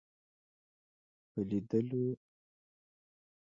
په لیدلو یو د بل نه مړېدلو